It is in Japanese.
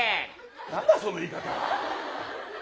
何だその言い方。